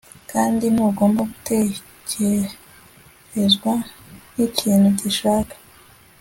kandi ntugomba gutekerezwa nkikintu gishaka